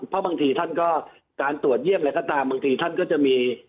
เพราะบางทีท่านก็การตรวจเยี่ยมอะไรก็ตามบางทีท่านก็จะมี